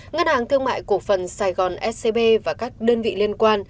ngân hàng thương mại cổ phần sài gòn scb và các đơn vị liên quan